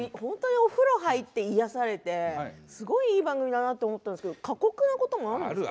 お風呂に入って癒やされていい番組だなと思ったんですけど過酷なこともあるんですか？